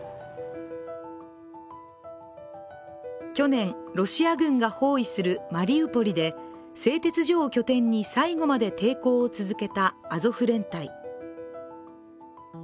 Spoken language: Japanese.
去年、ロシア軍が包囲するマリウポリで製鉄所を拠点に最後まで抵抗を続けたアゾフ連隊。